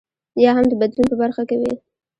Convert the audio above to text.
یا هم د بدلون په برخه کې وي.